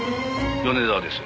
「米沢です。